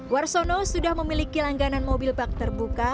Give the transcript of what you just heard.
warsono sudah memiliki langganan mobil bak terbuka